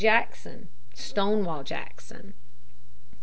Jackson (Stonewall Jackson).